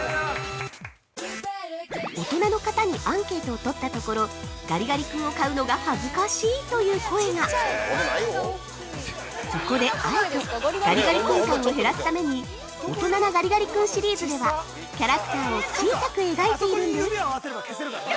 ◆大人の方にアンケートをとったところ、ガリガリ君を買うのが恥ずかしいという声がそこで、あえてガリガリ君感を減らすために大人なガリガリ君シリーズではキャラクターを小さく描いているんです。